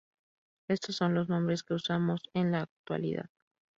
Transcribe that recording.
Estos son los nombres que usamos en la actualidad.